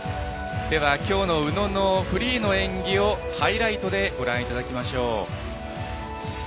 きょうの宇野のフリーの演技をハイライトでご覧いただきます。